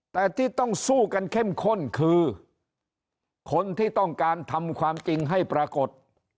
แต่ที่ต้องสู้กันเข้มข้นคือคนที่ต้องการทำความจริงให้ปรากฏ